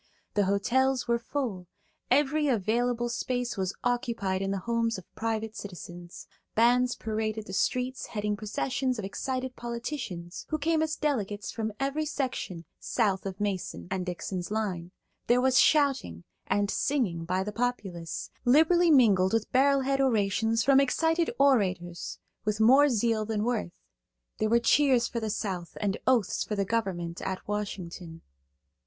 The hotels were full; every available space was occupied in the homes of private citizens. Bands paraded the streets heading processions of excited politicians who came as delegates from every section south of Mason and Dixon's line; there was shouting and singing by the populace, liberally mingled with barrelhead orations from excited orators with more zeal than worth; there were cheers for the South and oaths for the government at Washington.